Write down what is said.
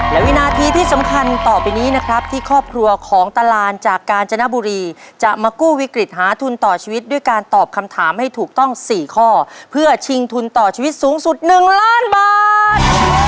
และวินาทีที่สำคัญต่อไปนี้นะครับที่ครอบครัวของตาลานจากกาญจนบุรีจะมากู้วิกฤตหาทุนต่อชีวิตด้วยการตอบคำถามให้ถูกต้อง๔ข้อเพื่อชิงทุนต่อชีวิตสูงสุด๑ล้านบาท